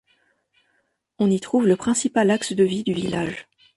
On y trouve le principal axe de vie du village.